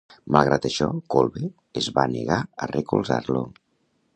Malgrat això, Kolbe es va negar a recolzar-lo.